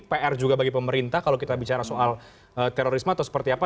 pr juga bagi pemerintah kalau kita bicara soal terorisme atau seperti apa